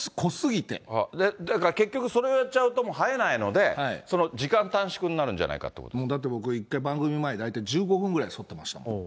だから結局、それやっちゃうと、もう生えないので、時間短縮になるんじゃないだって僕、番組の前、大体１５分ぐらいそってましたもん。